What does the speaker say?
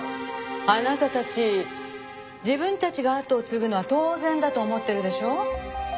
あなたたち自分たちが後を継ぐのは当然だと思ってるでしょ？